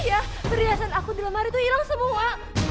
iya perhiasan aku di lemari tuh hilang semua